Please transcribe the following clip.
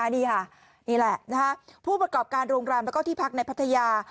นี่เลยผู้ประกอบการโรงรามและพักในพัทยา